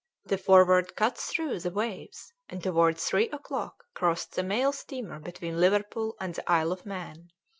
The Forward cut through the waves, and towards three o'clock crossed the mail steamer between Liverpool and the Isle of Man.